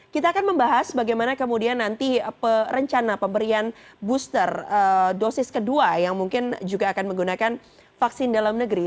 kita akan membahas bagaimana kemudian nanti rencana pemberian booster dosis kedua yang mungkin juga akan menggunakan vaksin dalam negeri